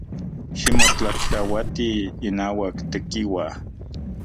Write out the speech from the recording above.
Ximotlajtlauati inauak Tekiua.